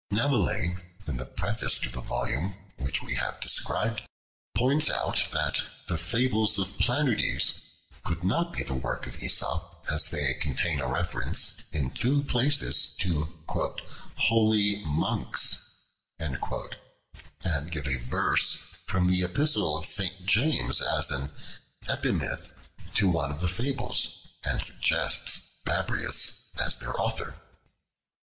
Nevelet, in the preface to the volume which we have described, points out that the Fables of Planudes could not be the work of Aesop, as they contain a reference in two places to "Holy monks," and give a verse from the Epistle of St. James as an "Epimith" to one of the fables, and suggests Babrias as their author.